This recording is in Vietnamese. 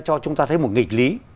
cho chúng ta thấy một nghịch lý